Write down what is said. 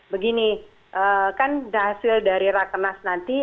begini kan hasil dari rakenas nanti